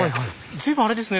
随分あれですね